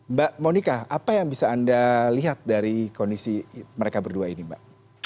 mbak monika apa yang bisa anda lihat dari kondisi mereka berdua ini mbak